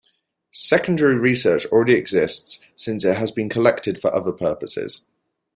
Secondary research already exists since it has been collected for other purposes.